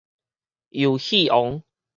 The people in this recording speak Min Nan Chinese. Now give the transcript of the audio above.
遊戲王